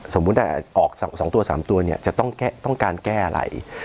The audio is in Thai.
สมมุติอ่ะออกสองตัวสามตัวเนี่ยจะต้องการแก้อะไร